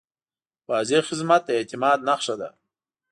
واضح خدمت د اعتماد نښه ده.